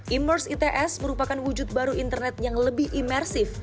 imers its merupakan wujud baru internet yang lebih imersif